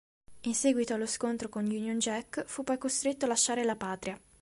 In seguito allo scontro con Union Jack fu poi costretto a lasciare la patria.